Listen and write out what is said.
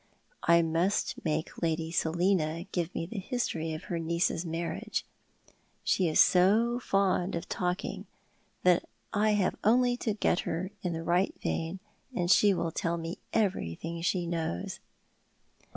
I must make Lady Selina give me the history of her niece's marriage. She is so fond of talking that I have only to get her in the right vein and she will tell me everything she knows.